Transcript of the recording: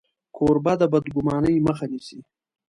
کوربه د بدګمانۍ مخه نیسي.